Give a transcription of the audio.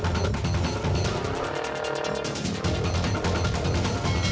oh yaudah yaudah om